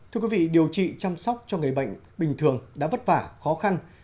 thưa quý vị điều trị chăm sóc cho người bệnh bình thường đã vất vả khó khăn